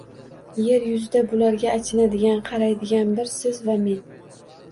Yer yuzida bularga achinadigan, qaraydigan bir siz va men.